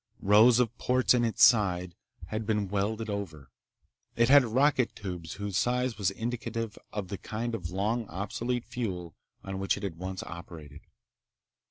Rows of ports in its sides had been welded over. It had rocket tubes whose size was indicative of the kind of long obsolete fuel on which it once had operated.